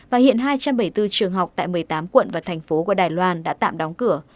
và hiện hai trăm bảy mươi bốn trường học tại một mươi tám quận và thành phố của đài loan đã tạm đóng cửa